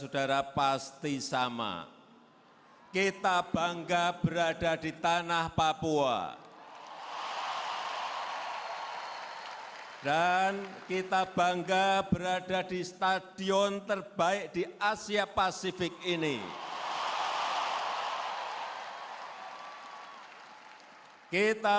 dari seluruh indonesia